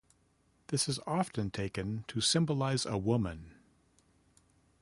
This is often taken to symbolise a woman.